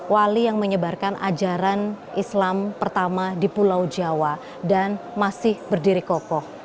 wali yang menyebarkan ajaran islam pertama di pulau jawa dan masih berdiri kokoh